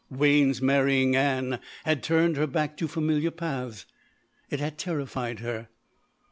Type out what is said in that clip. Wayne's marrying Ann had turned her back to familiar paths. It had terrified her.